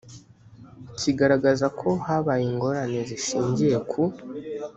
kigaragaza ko habaye ingorane zishingiye ku